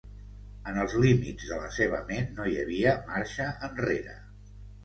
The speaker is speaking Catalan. En els límits de la seva ment, no hi havia marxa enrere.